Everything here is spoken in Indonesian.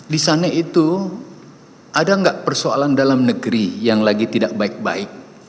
di sana itu ada nggak persoalan dalam negeri yang lagi tidak baik baik